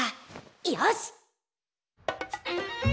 よし！